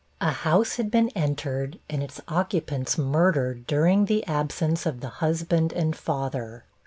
A house had been entered and its occupants murdered during the absence of the husband and father.